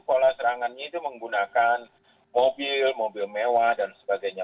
pola serangannya itu menggunakan mobil mobil mewah dan sebagainya